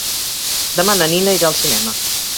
Demà na Nina irà al cinema.